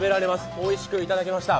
おいしくいただきました。